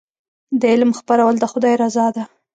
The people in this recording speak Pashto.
د علم خپرول د خدای رضا ده.